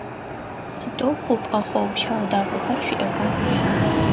Сыдэу хъупӏэ хъоу-пщау дахэхэр шъуиӏэха?